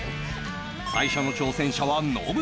最初の挑戦者はノブ